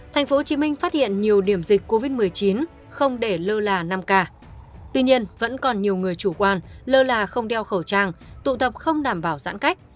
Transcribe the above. tp hcm phát hiện nhiều điểm dịch covid một mươi chín không để lơ là năm k tuy nhiên vẫn còn nhiều người chủ quan lơ là không đeo khẩu trang tụ tập không đảm bảo giãn cách